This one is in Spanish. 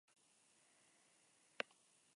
Cerca se alza una estructura más antigua en desuso.